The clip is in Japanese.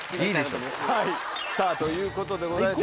さぁということでございまして。